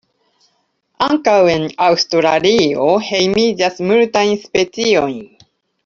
Ankaŭ en Aŭstralio hejmiĝas multajn speciojn.